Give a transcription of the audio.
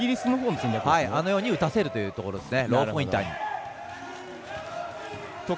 あのように打たせるというところですね。